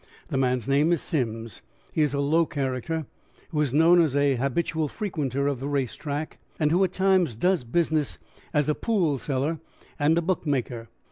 The man's name is Simms. He is a low character, who is known as a habitual frequenter of the race track, and who at times does business as a poolseller and bookmaker.